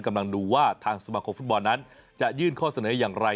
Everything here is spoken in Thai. กำลังดูว่าทางสมาคมฟุตบอลนั้นจะยื่นข้อเสนออย่างไร